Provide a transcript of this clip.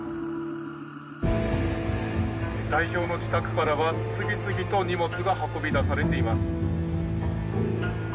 代表の自宅からは次々と荷物が運び出されています。